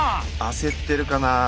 焦ってるかなあ。